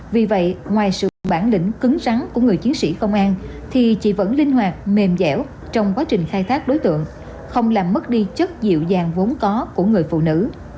vì vậy ngoài sự bản lĩnh cứng rắn của người chiến sĩ công an thì chị vẫn linh hoạt mềm dẻo trong quá trình khai thác đối tượng không làm mất đi chất dịu dàng vốn có của người phụ nữ